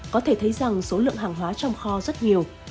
có thể thấy rằng số lượng hàng hóa trong kho rất nhiều